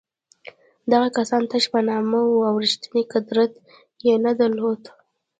دغه کسان تش په نامه وو او رښتینی قدرت یې نه درلود.